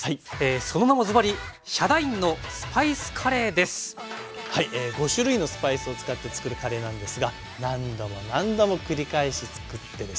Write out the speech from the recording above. その名もずばり５種類のスパイスを使ってつくるカレーなんですが何度も何度も繰り返しつくってですね